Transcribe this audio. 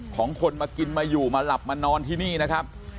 ของคนมากินมาอยู่มาหลับมานอนที่นี่นะครับ